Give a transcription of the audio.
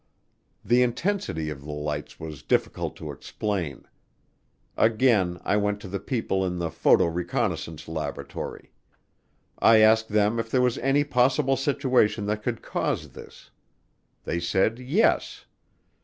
The intensity of the lights was difficult to explain. Again I went to the people in the Photo Reconnaissance Laboratory. I asked them if there was any possible situation that could cause this. They said yes.